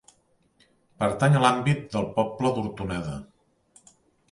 Pertany a l'àmbit del poble d'Hortoneda.